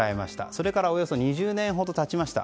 それからおよそ２０年ほど経ちました。